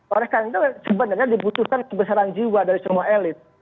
oleh karena itu sebenarnya dibutuhkan kebesaran jiwa dari semua elit